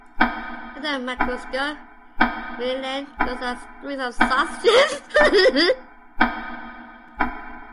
Under a microscope, myelin looks like strings of sausages.